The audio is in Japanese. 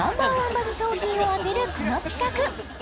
バズ商品を当てるこの企画